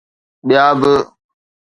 ٻيا به.